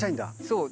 そう。